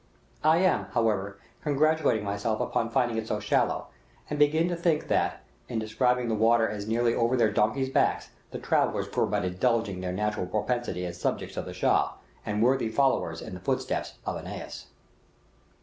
I am, however, congratulating myself upon finding it so shallow, and begin to think that, in describing the water as nearly over their donkeys' backs, the travellers were but indulging their natural propensity as subjects of the Shah, and worthy followers in the footsteps of Ananias.